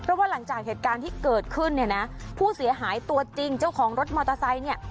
เพราะว่าหลังจากเหตุการณ์ที่เกิดขึ้นเนี่ยนะผู้เสียหายตัวจริงเจ้าของรถมอเตอร์ไซค์เนี่ย